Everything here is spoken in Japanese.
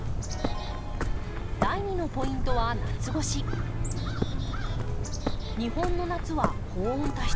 第２のポイントは日本の夏は高温多湿。